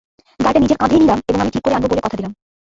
দায়টা নিজের কাঁধেই নিলাম এবং আমি ঠিক করে আনব বলে কথা দিলাম।